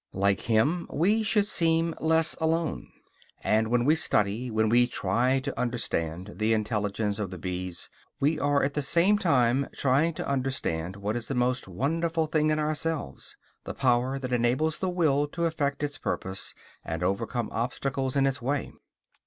Like him, we should seem less alone. And when we study, when we try to understand, the intelligence of the bees, we are at the same time trying to understand what is the most wonderful thing in ourselves; the power that enables the will to effect its purpose, and overcome obstacles in its way.